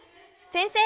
先生！